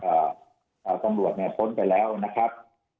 กับตำรวจพ้นไปแล้วนะครับ